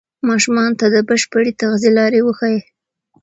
ماشومانو ته د بشپړې تغذیې لارې وښایئ.